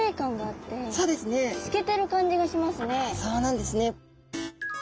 あそうなんですね。